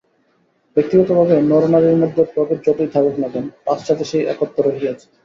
ব্যক্তিগতভাবে নরনারীর মধ্যে প্রভেদ যতই থাকুক না কেন, পাশ্চাতে সেই একত্ব রহিয়াছে।